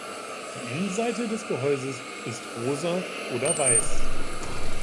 Die Innenseite des Gehäuses ist rosa oder weiß.